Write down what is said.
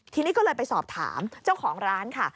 ทีนี้ก็เลยไปสอบถามเจ้าของร้านค่ะ